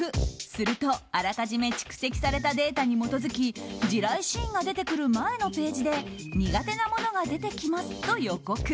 すると、あらかじめ蓄積されたデータに基づき地雷シーンが出てくる前のページで苦手なものが出てきますと予告。